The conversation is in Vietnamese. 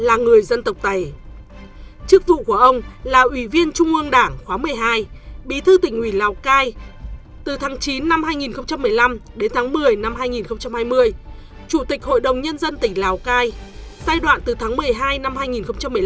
ông nguyễn văn vịnh cựu bí thư tỉnh lào cai quê quán tại xã việt hồng huyện trần yên tỉnh yên bái